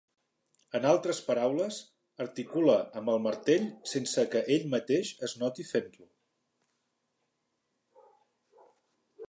En altres paraules, articula amb el martell sense que ell mateix es noti fent-lo.